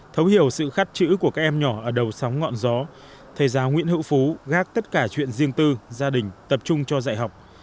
thấu hiểu sự khắt chữ của các em nhỏ ở đầu sóng ngọn gió thầy giáo nguyễn hữu phú gác tất cả chuyện riêng tư gia đình tập trung cho dạy học